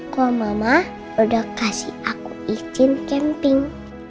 kok mama udah kasih aku izin camping